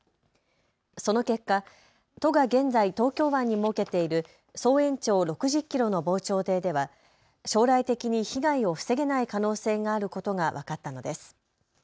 その結果、都が現在、東京湾に設けている総延長６０キロの防潮堤では将来的に被害を防げない可能性があることが分かったのです。